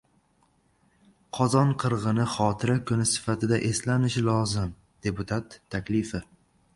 "Qozon qirg‘ini Xotira kuni sifatida eslanishi lozim" – deputat taklifi